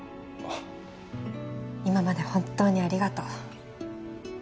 今まで本当にありがとう。